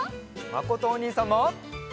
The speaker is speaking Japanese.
まことおにいさんも！